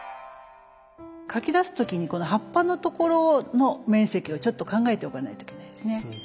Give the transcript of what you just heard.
描き出す時にこの葉っぱのところの面積をちょっと考えておかないといけないですね。